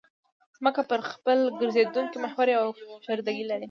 ځمکه په خپل ګرځېدونکي محور یوه فشردګي لري